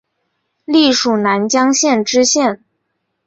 历署南江县知县。